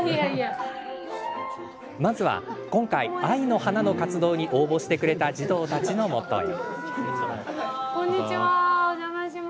まずは今回、愛の花の活動に応募してくれた児童たちのもとへ。